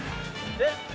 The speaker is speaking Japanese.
えっ？